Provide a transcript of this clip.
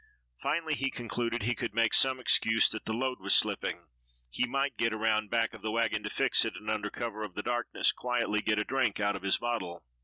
Finally he concluded he could make some excuse that the load was slipping; he might get around back of the wagon to fix it, and under cover of the darkness quietly get a drink out of his bottle.